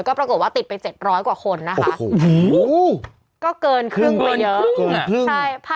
ก็ปรากฏว่าติดไป๗๐๐กว่าคนนะคะก็เกินครึ่งไปเยอะครึ่งใช่